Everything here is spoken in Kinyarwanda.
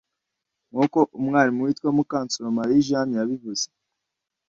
nk’uko umwarimu witwa Mukansoro Marie Jeanne yabivuze